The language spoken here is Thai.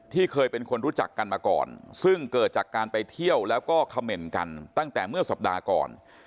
เคยเป็นคนรู้จักกันมาก่อนซึ่งเกิดจากการไปเที่ยวแล้วก็เขม่นกันตั้งแต่เมื่อสัปดาห์ก่อน